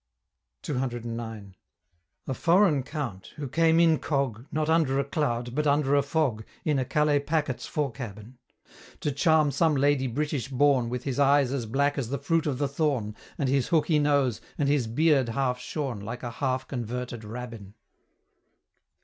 CCIX. A Foreign Count who came incog., Not under a cloud, but under a fog, In a Calais packet's fore cabin, To charm some lady British born, With his eyes as black as the fruit of the thorn, And his hooky nose, and his beard half shorn, Like a half converted Rabbin.